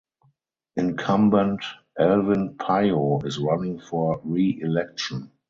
Incumbent Alvin Payo is running for reelection.